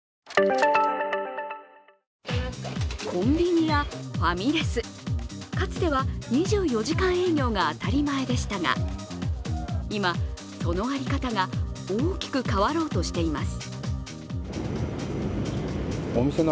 コンビニやファミレス、かつては２４時間営業が当たり前でしたが今、その在り方が大きく変わろうとしています。